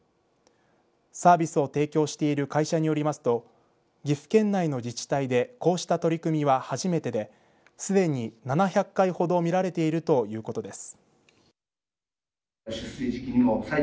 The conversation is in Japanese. サービスを提供している会社によりますと岐阜県内の自治体でこうした取り組みは初めてですでに７００回ほど見られているということです。